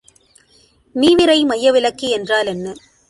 மீவிரை மையவிலக்கி என்றால் என்ன?